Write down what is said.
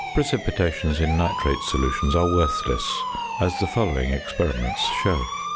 Precipitations in nitrate solutions are worthless, as the following experiments show.